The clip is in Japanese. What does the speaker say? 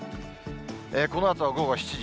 このあとは午後７時。